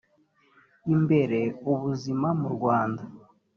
imbere ubuzima mu rwanda